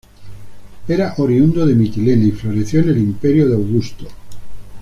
Era oriundo de Mitilene y floreció en el imperio de Augusto.